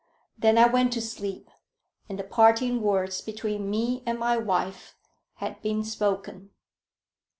Then I went to sleep, and the parting words between me and my wife had been spoken.